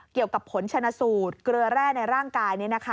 เกี่ยวกับผลชนะสูตรเกลือแร่ในร่างกาย